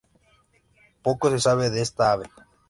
Poco se sabe de esta ave.